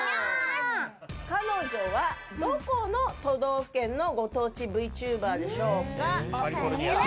彼女は、どこの都道府県のご当地ＶＴｕｂｅｒでしょうか？